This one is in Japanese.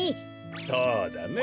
そうだね。